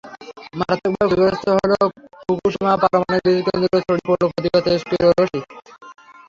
মারাত্মকভাবে ক্ষতিগ্রস্ত হলো ফুকুশিমা পারমাণবিক বিদ্যুৎকেন্দ্র, ছড়িয়ে পড়ল ক্ষতিকর তেজস্ক্রিয় রশ্মি।